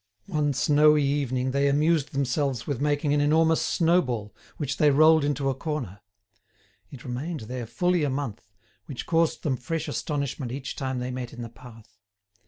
One snowy evening they amused themselves with making an enormous snowball, which they rolled into a corner. It remained there fully a month, which caused them fresh astonishment each time they met in the path.